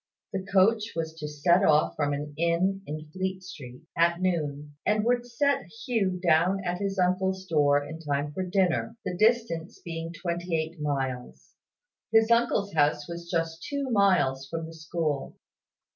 The coach was to set off from an inn in Fleet Street, at noon, and would set Hugh down at his uncle's door in time for dinner, the distance being twenty eight miles. His uncle's house was just two miles from the school.